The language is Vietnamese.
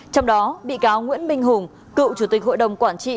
trong đó bị cáo nguyễn minh hùng cựu chủ tịch hội đồng quản trị